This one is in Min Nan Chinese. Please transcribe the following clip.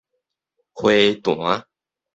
花壇